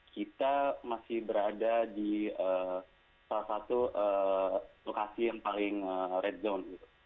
kita masih berada di salah satu lokasi yang paling red zone